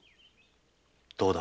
どうだ